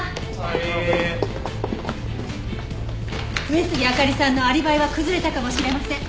上杉明里さんのアリバイは崩れたかもしれません。